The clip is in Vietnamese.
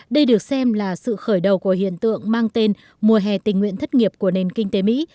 đây được xem là sự khởi đầu của hiện tượng mang tên mùa hè tình nguyện thất nghiệp của nền kinh tế mỹ